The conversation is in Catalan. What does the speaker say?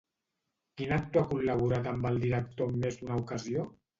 Quin actor ha col·laborat amb el director en més d'una ocasió?